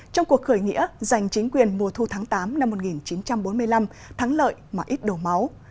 trong cuộc khởi nghĩa giành chính quyền mùa thu tháng tám năm một nghìn chín trăm bốn mươi năm thắng lợi mà ít đổ máu